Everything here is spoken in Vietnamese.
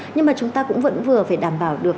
nhưng mà chúng ta cũng vẫn vừa phải đảm bảo được